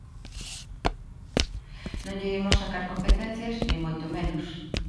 Non lle imos sacar competencias, nin moito menos.